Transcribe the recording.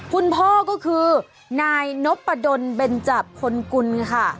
คุณพ่อก็คือนายนพประดนเบนจับพลกุลค่ะ